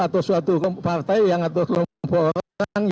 atau suatu partai yang atau kelompok orang